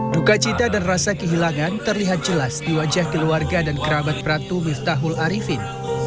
duka cita dan rasa kehilangan terlihat jelas di wajah keluarga dan kerabat pratu miftahul arifin